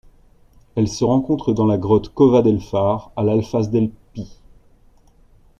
Elle se rencontre dans la grotte Cova del Far à L'Alfàs del Pi.